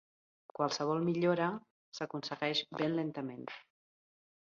Qualsevol millora s'aconsegueix ben lentament.